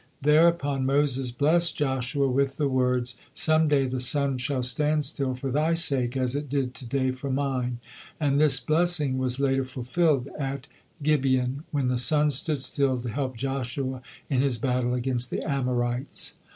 Thereupon Moses blessed Joshua with the words, "Some day the sun shall stand still for thy sake, as it did to day for mine," and this blessing was later fulfilled at Gibeon, when the sun stood still to help Joshua in his battle against the Amorites.